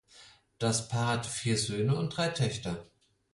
Das Paar hatte vier Söhne und drei Töchter.